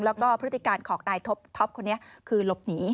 แล้วก็พฤติการของนายท็อปคนนี้คือหลบหนี